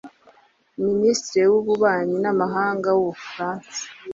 Minisitiri w’Ububanyi n’Amahanga w’u Bufaransa